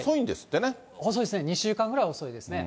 遅いですね、２週間ぐらい遅いですね。